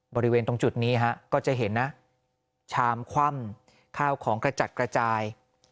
บริเวณตรงจุดนี้ฮะก็จะเห็นนะชามคว่ำข้าวของกระจัดกระจาย